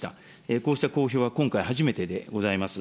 こうした公表は今回初めてでございます。